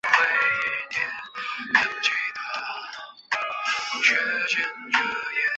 于兹为下邳相笮融部下。